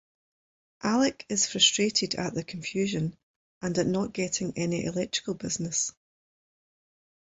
Alec is frustrated at the confusion and at not getting any electrical business.